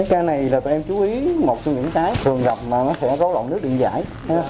cái ca này là tụi em chú ý một trong những cái thường gặp mà nó sẽ gấu lộn nước điện giải